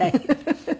フフフフ。